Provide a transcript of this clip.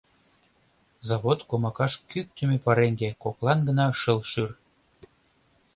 завод комакаш кӱктымӧ пареҥге, коклан гына шыл шӱр.